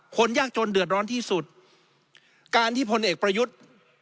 ยากจนเดือดร้อนที่สุดการที่พลเอกประยุทธ์